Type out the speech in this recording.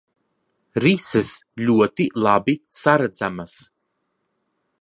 Rises ļoti labi saredzamas.